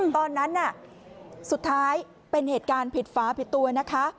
ตอนนั้นน่ะสุดท้ายเป็นเหตุการณ์ผิดฟ้าผิดตัวนะคะ